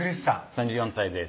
３４歳です